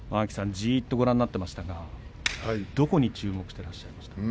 じっとご覧になっていましたが特に注目していましたか。